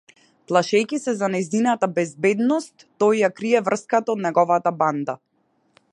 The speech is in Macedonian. Плашејќи се за нејзината безбедност, тој ја крие врската од неговата банда.